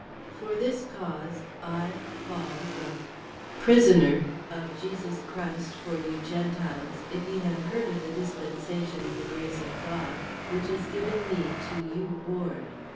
For this cause, I Paul the prisoner of Jesus Christ for you Gentiles, if ye have heard of the dispensation of the grace of God, which is given me to you ward.